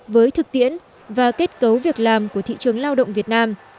với thực tiễn và kết cấu việc làm của thị trường lao động việt nam